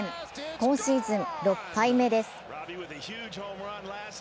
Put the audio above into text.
今シーズン６敗目です。